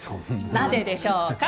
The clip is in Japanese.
なぜでしょうか？